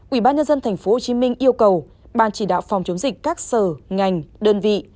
ubnd tp hcm yêu cầu ban chỉ đạo phòng chống dịch các sở ngành đơn vị